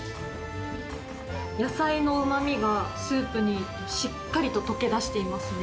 野菜のうまみがスープにしっかりと溶け出していますね。